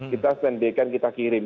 kita sendikan kita kirim